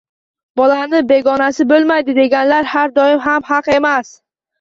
Bolaning begonasi bo`lmaydi, deganlar har doim ham haq emas